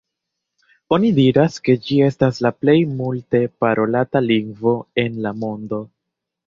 Oni diras ke ĝi estas la plej multe parolata lingvo en la mondo.